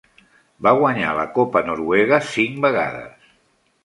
Va guanyar la copa noruega cinc vegades.